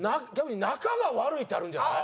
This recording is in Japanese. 「仲が悪い」ってあるんじゃない？